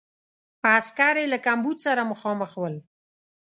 عسکر یې له کمبود سره مخامخ ول.